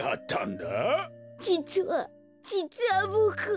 じつはじつはボク。